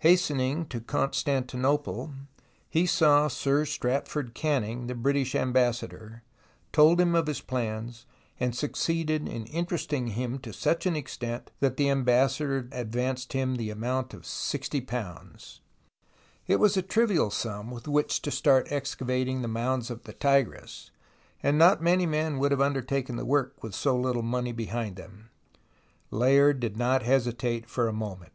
Hastening to Constantinople, he saw Sir Stratford Canning, the British Ambassa dor, told him his plans, and succeeded in interesting him to such an extent that the Ambassador advanced the amount of £60. It was a trivial sum with which to start excavating the mounds of the Tigris, and not many men would have undertaken the work with so little money behind them. Layard did not hesitate for a moment.